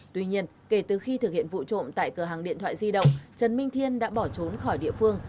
tuy nhiên kể từ khi thực hiện vụ trộm tại cửa hàng điện thoại di động trần minh thiên đã bỏ trốn khỏi địa phương